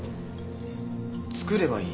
作ればいい。